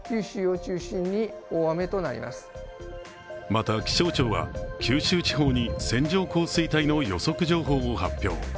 また気象庁は九州地方に線状降水帯の予測情報を発表。